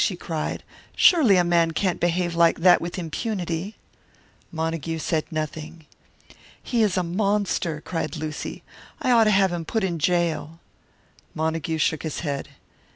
she cried. "Surely a man can't behave like that with impunity." Montague said nothing. "He is a monster!" cried Lucy. "I ought to have him put in jail." Montague shook his head.